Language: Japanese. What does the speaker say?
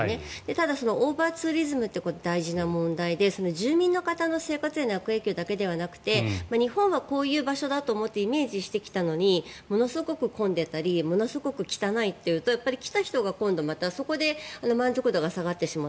ただ、オーバーツーリズムって大事な問題で住民の方の生活への悪影響だけではなくて日本はこういう場所だと思ってイメージして来たのにものすごく混んでいたりものすごく汚いというとやっぱり来た人が今度またそこで満足度が下がってしまう。